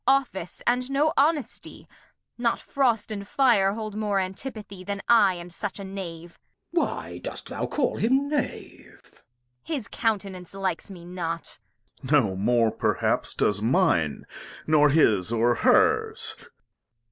Office, and no Honesty ; Not Frost and Fire hold more Antipathy Then I and such a Knave. Glost. Why dost thou call him Knave ? Kent. His Countenance likes me not. Duke. No more perhaps does Mine, nor His, or Hers.